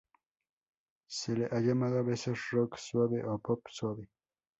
Se le ha llamado a veces "rock suave" o "pop suave".